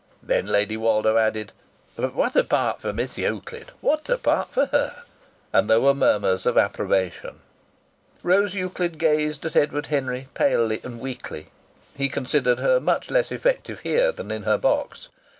Then Lady Woldo added: "But what a part for Miss Euclid! What a part for her!" And there were murmurs of approbation. Rose Euclid gazed at Edward Henry palely and weakly. He considered her much less effective here than in her box.